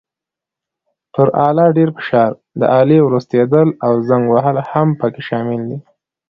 پر آله ډېر فشار، د آلې ورستېدل او زنګ وهل هم پکې شامل دي.